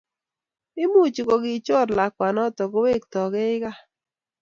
imuchi ko kikichor lakwanoto kowektogei gaa